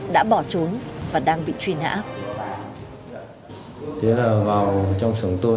đã bỏ trốn và đang bị truyền